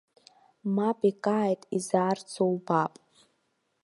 Мап икааит, изаарцо убап.